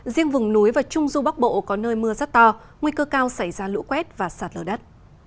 riêng vùng núi và trung du bắc bộ có nơi mưa rất to nguy cơ cao xảy ra lũ quét và sạt lở đất